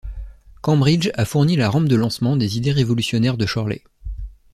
Cambridge a fourni la rampe de lancement des idées révolutionnaires de Chorley.